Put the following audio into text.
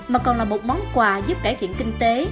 mà còn là một món quà giúp cải thiện kinh tế